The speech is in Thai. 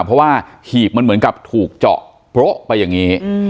เพราะว่าหีบมันเหมือนกับถูกเจาะโป๊ะไปอย่างนี้